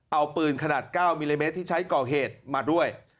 เอาปืนขนาด๙มิลลิเมตรที่ใช้ก่อเหตุมาด้วย